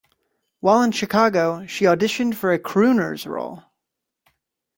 While in Chicago, she auditioned for a crooner's role.